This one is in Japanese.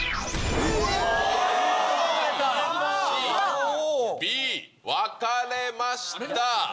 Ａ、Ｂ、Ｃ、Ｂ、分かれました。